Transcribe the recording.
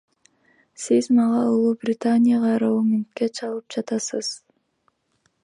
Сиз мага Улуу Британияга роумингге чалып жатасыз.